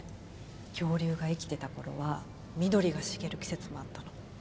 恐竜が生きてた頃は緑が茂る季節もあったの。